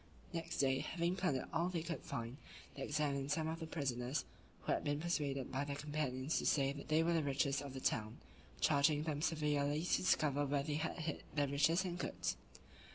Next day, having plundered all they could find, they examined some of the prisoners (who had been persuaded by their companions to say they were the richest of the town), charging them severely to discover where they had hid their riches and goods.